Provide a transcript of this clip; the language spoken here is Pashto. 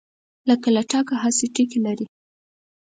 لکه لټکه هسې ټګي لري